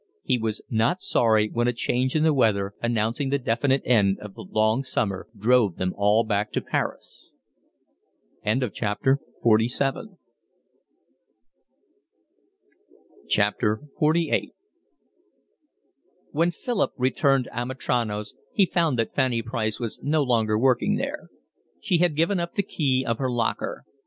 He was not sorry when a change in the weather, announcing the definite end of the long summer, drove them all back to Paris. XLVIII When Philip returned to Amitrano's he found that Fanny Price was no longer working there. She had given up the key of her locker.